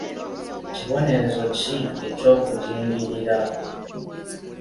Kibonerezo ki eky'okujingirira?